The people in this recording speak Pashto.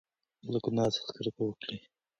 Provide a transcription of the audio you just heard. له ګناه څخه کرکه وکړئ.